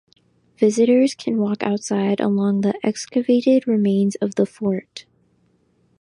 Visitors can walk outside along the excavated remains of the fort.